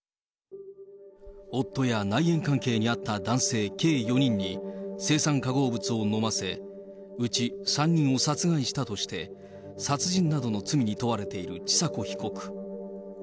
夫や内縁関係にあった男性計４人に青酸化合物を飲ませ、内３人を殺害したとして、殺人などの罪に問われている千佐子被告。